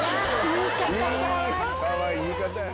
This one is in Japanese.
かわいい言い方や。